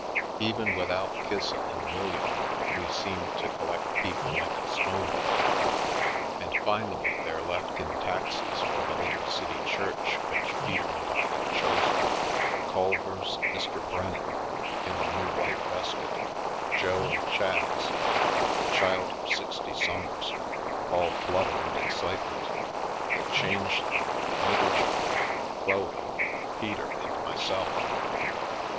Even without Kissa and William, we seemed to collect people like a snowball, and finally there left in taxis for the little city church which Peter and I had chosen, the Culvers, Mr. Brennan (in a new white waistcoat), Jo and Chas, the Child of Sixty Summers (all flutter and excitement), the Changeling, Littlejohn, Chloe, Peter and myself.